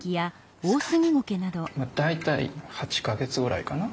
すごい。大体８か月ぐらいかな？